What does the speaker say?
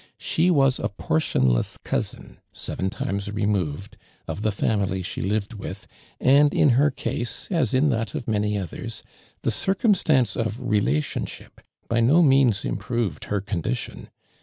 She was a por tionless cousin, seven times removed, of the family she lived with, and in her case, as in that of many others, the circumstance of relationship by no means improved her condition.